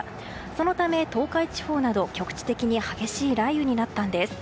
そのため、東海地方など局地的に激しい雷雨になったんです。